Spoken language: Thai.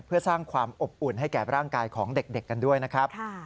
เพื่อสร้างความอบอุ่นให้แก่ร่างกายของเด็กกันด้วยนะครับ